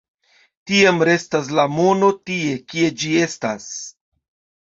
Tiam restas la mono tie, kie ĝi estas.